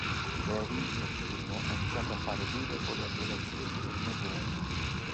Devin per primo ha iniziato a fare video con le acrobazie sullo snowboard.